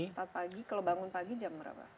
start pagi kalau bangun pagi jam berapa